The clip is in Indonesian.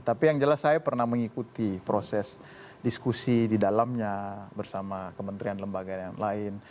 tapi yang jelas saya pernah mengikuti proses diskusi di dalamnya bersama kementerian lembaga yang lain